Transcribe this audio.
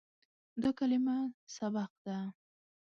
دا کلمه "سبق" ده.